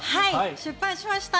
出版しました。